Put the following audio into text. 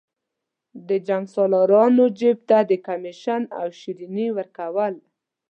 د جنګسالارانو جیب ته د کمېشن او شریني ورکول.